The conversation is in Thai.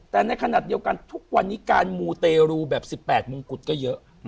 แต่ในขณะเดียวกันทุกวันนี้การมูเตรูแบบ๑๘มงกุฎก็เยอะ